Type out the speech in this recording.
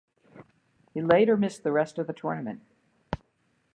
He later missed the rest of the tournament.